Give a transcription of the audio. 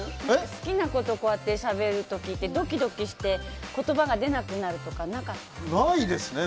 好きな子としゃべる時ってドキドキして言葉が出なくなるとかないですね。